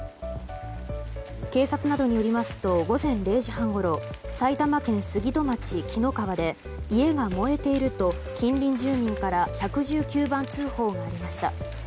警察などによりますと午前０時半ごろ埼玉県杉戸町木野川で家が燃えていると近隣住民から１１９番通報がありました。